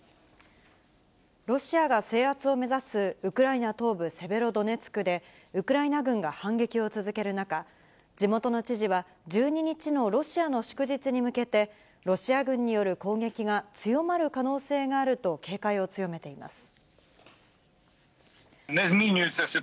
ロシアが制圧を目指すウクライナ東部セベロドネツクで、ウクライナ軍が反撃を続ける中、地元の知事は、１２日のロシアの祝日に向けて、ロシア軍による攻撃が強まる可能性があると、警戒を強めています。